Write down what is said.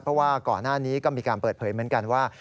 เพราะว่าก่อนหน้านี้ก็มีการเปิดเผยเหมือนกันว่า